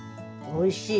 おいしい。